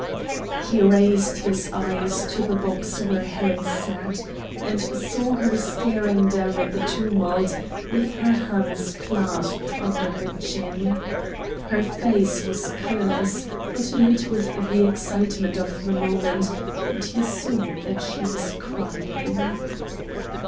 He raised his eyes to the box where Helen sat, and saw her staring down at the tumult, with her hands clasped under her chin. Her face was colorless, but lit with the excitement of the moment; and he saw that she was crying.